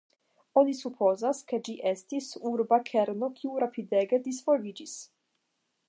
Oni supozas, ke ĝi estis urba kerno kiu rapidege disvolviĝis.